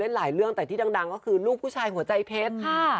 หลายเรื่องแต่ที่ดังก็คือลูกผู้ชายหัวใจเพชร